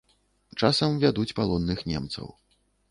Часам вядуць палонных немцаў.